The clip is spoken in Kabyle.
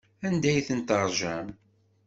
Anda ay ten-teṛjam?